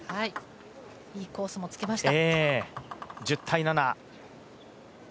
いいコースも突けました。